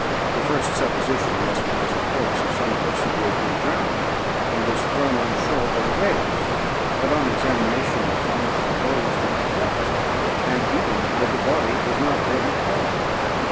Their first supposition was, that it was the corpse of some person who had been drowned, and was thrown on shore by the waves; but, on examination, they found that the clothes were not wet, and even that the body was not then cold.